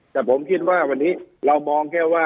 แต่ผมคิดว่าวันนี้เรามองแค่ว่า